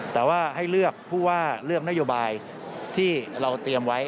แต่ว่าให้เลือกผู้ว่าเลือกนโยบายที่เราเตรียมไว้